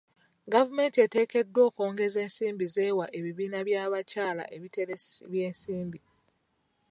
Gavumenti eteekeddwa okwongeza ensimbi z'ewa ebibiina by'abakyala ebiteresi by'ensimbi.